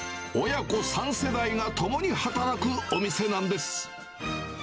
親子３世代が共に働くお店なんです。